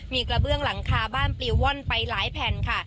มีกระเบื้องหลังคาบ้านปลิวว่อนไปหลายแผ่นค่ะ